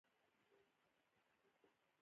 زه د ځان لپاره هېڅ نه غواړم